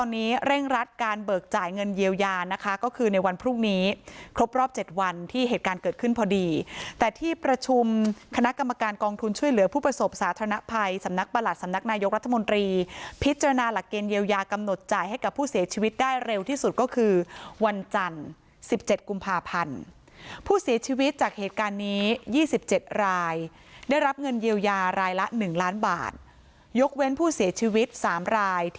นี้เร่งรัดการเบิกจ่ายเงินเยียวยานะคะก็คือในวันพรุ่งนี้ครบรอบเจ็ดวันที่เหตุการณ์เกิดขึ้นพอดีแต่ที่ประชุมคณะกรรมการกองทุนช่วยเหลือผู้ประสบสาธารณภัยสำนักประหลักสำนักนายยกรัฐมนตรีพิจารณาหลักเกณฑ์เยียวยากำหนดจ่ายให้กับผู้เสียชีวิตได้เร็วที่สุดก็คือวันจันทร์